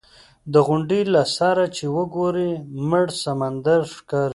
د غونډۍ له سره چې وګورې مړ سمندر ښکاري.